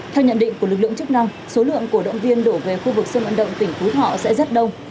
theo nhận định của lực lượng chức năng số lượng cổ động viên đổ về khu vực sân vận động tỉnh phú thọ sẽ rất đông